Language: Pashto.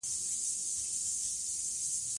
له مبالغې څخه کار واخلو او که نه؟